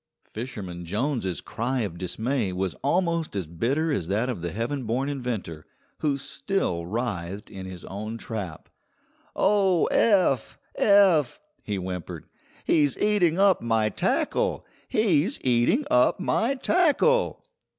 Fisherman Jones's cry of dismay was almost as bitter as that of the heaven born inventor, who still writhed in his own trap. "Oh, Eph! Eph!" he whimpered, "he's eating up my tackle! He's eating up my tackle!"